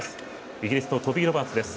イギリスのトビー・ロバーツです。